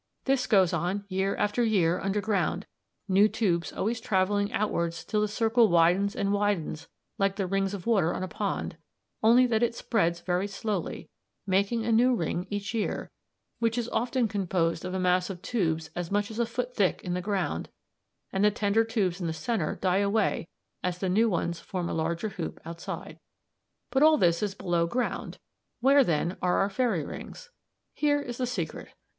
"This goes on year after year underground, new tubes always travelling outwards till the circle widens and widens like the rings of water on a pond, only that it spreads very slowly, making a new ring each year, which is often composed of a mass of tubes as much as a foot thick in the ground, and the tender tubes in the centre die away as the new ones form a larger hoop outside. "But all this is below ground; where then are our fairy rings? Here is the secret.